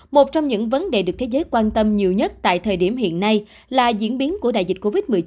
một trong những vấn đề được thế giới quan tâm nhiều nhất tại thời điểm hiện nay là diễn biến của đại dịch covid một mươi chín